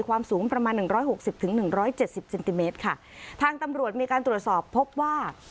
ความสูงประมาณหนึ่งร้อยหกสิบถึงหนึ่งร้อยเจ็ดสิบเซนติเมตรค่ะทางตำรวจมีการตรวจสอบพบว่า